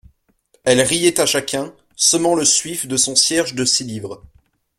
Elle riait à chacun, semant le suif de son cierge de six livres.